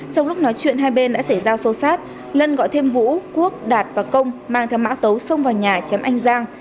trong lúc nói chuyện hai bên đã xảy ra xô xát lân gọi thêm vũ quốc đạt và công mang theo mã tấu xông vào nhà chém anh giang